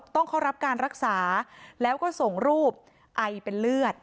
ต้องเข้ารับการรักษาแล้วก็ส่งรูปไอเป็นเลือด